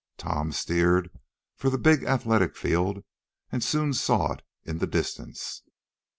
Tom steered for the big athletic field, and soon saw it in the distance.